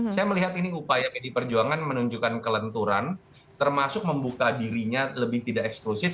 saya melihat ini upaya pdi perjuangan menunjukkan kelenturan termasuk membuka dirinya lebih tidak eksklusif